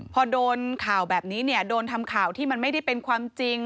พอโดนข่าวแบบนี้เนี่ยโดนทำข่าวที่มันไม่ได้เป็นความจริง